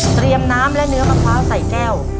เตรียมน้ำและเนื้อมะพร้าวใส่แก้ว